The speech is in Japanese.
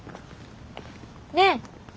ねえ